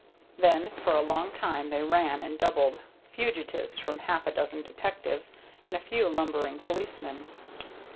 Then for a long time they ran and doubled, fugitives from half a dozen detectives and a few lumbering policemen.